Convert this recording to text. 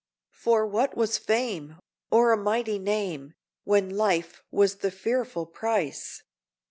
For what was fame, or a mighty name, When life was the fearful price?